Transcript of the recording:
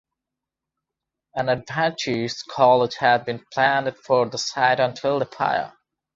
An Adventist college had been planned for the site until the fire.